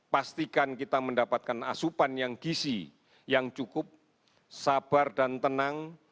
pastikan kita mendapatkan asupan yang gisi yang cukup sabar dan tenang